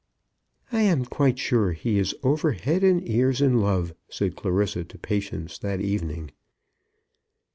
"I am quite sure he is over head and ears in love," said Clarissa to Patience that evening.